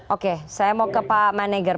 oke saya mau ke pak maneger